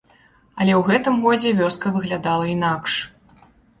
Але ў гэтым годзе вёска выглядала інакш.